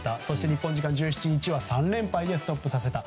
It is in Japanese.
日本時間１７日は３連敗でストップさせた。